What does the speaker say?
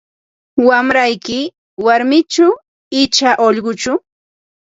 Wamrayki warmichu icha ullquchu?